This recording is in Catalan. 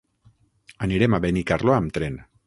Anirem a Benicarló amb tren.